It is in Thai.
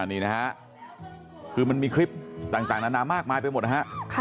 นี่นะฮะคือมันมีคลิปต่างนานามากมายไปหมดนะฮะ